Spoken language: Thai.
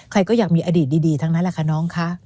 ใครก็อยากมีอดีตดีทั้งนั้นแหละค่ะน้องคะ